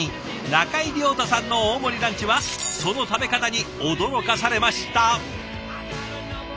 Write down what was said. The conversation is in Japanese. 中井涼太さんの大盛りランチはその食べ方に驚かされました。